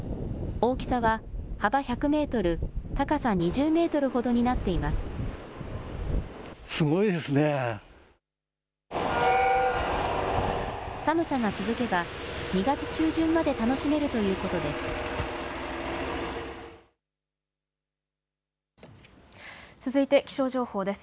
大きさは幅１００メートル、高さ２０メートルほどになっています。